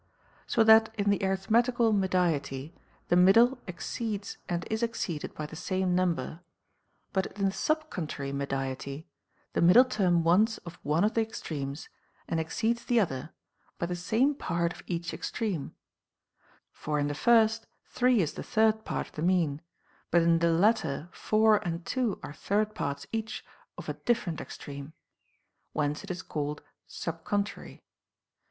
So that in the arithmetical mediety the middle exceeds and is exceeded by the same number ; but in the sub contrary mediety, the middle term wants of one of the extremes, and exceeds the other by the same part of each extreme ; for in the first 3 is the third part of the mean ; but in the latter 4 and 2 are third parts each of a different extreme. Whence it is called sub contrary.